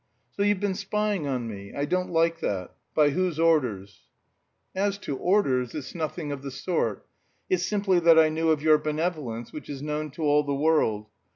"So you've been spying on me. I don't like that. By whose orders?" "As to orders, it's nothing of the sort; it's simply that I knew of your benevolence, which is known to all the world.